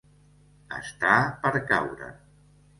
Estar per caure.